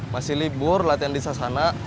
masih libur latihan di sasana